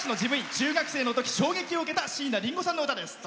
中学生のとき、衝撃を受けた椎名林檎さんの歌です。